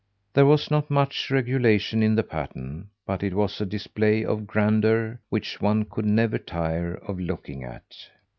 There was not much regulation in the pattern, but it was a display of grandeur which one could never tire of looking at.